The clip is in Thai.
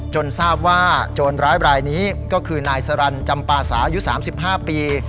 จนทราบว่าโจรร้ายบรายนี้ก็คือนายสรรันดิ์จำปาสายุสามสิบห้าปี